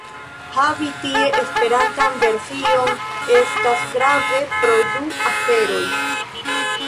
Havi tie Esperantan version estas grave pro du aferoj.